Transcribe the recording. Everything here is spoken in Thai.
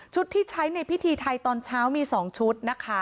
ชุดที่ใช้ในพิธีไทยตอนเช้ามี๒ชุด